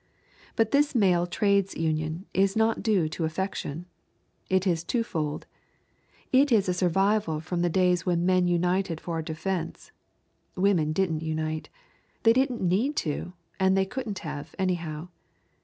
But this male trades union is not due to affection. It is two fold. It is a survival from the days when men united for defense. Women didn't unite. They didn't need to, and they couldn't have, anyhow.